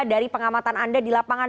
dari pengamatan anda di lapangan